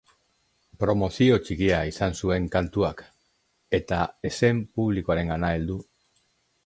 Promozio txikia izan zuen kantuak, eta ez zen publikoarengana heldu.